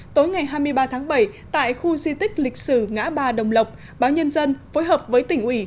tối ngày hai mươi ba tháng bảy tại khu di tích lịch sử ngã ba đồng lộc báo nhân dân phối hợp với tỉnh ủy